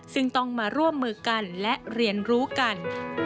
ซึ่งต้องมาร่วมมือกันและเรียนรู้กัน